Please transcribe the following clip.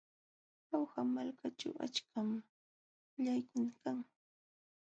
Jauja malkaćhu achkam pukllaykuna kan.